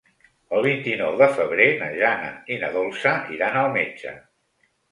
El vint-i-nou de febrer na Jana i na Dolça iran al metge.